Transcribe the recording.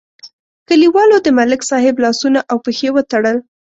کلیوالو د ملک صاحب لاسونه او پښې وتړل.